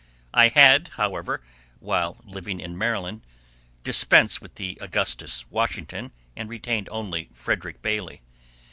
I had, however, while living in Maryland, dispensed with the Augustus Washington, and retained only Frederick Bailey.